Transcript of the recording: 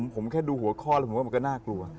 ผมแค่ดูหัวข้อแล้วผมก็น่ากลัว